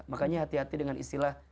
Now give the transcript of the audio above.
makanya hati hati dengan istilah